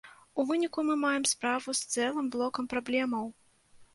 У выніку мы маем справу з цэлым блокам праблемаў.